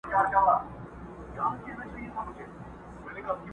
خبر سوم، بیرته ستون سوم، پر سجده پرېوتل غواړي؛